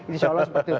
insya allah seperti itu